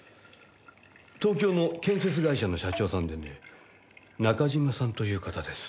東京の建設会社の社長さんでね中島さんという方です。